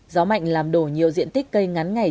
gió mạnh làm đổ nhiều diện tích cây ngắn ngày